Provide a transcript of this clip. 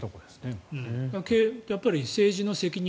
やっぱり政治の責任。